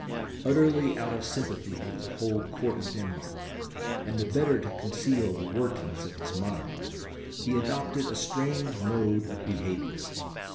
Utterly out of sympathy with the whole Court of Denmark, and the better to conceal the workings of his mind, he adopted a strange mode of behaviour.